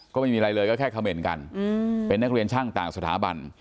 ก็ไม่มีอะไรเลยก็แค่เขม่นกันเป็นนักเรียนช่างต่างสถาบัน